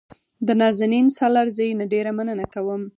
د نازنین سالارزي نه ډېره مننه کوم.